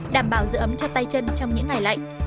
đảm bảo giữ ấm cho tay chân trong những ngày lạnh